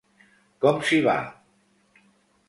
Com s'hi va?